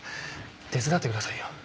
手伝ってくださいよ。